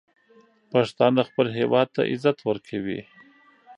پښتانه خپل هیواد ته عزت ورکوي.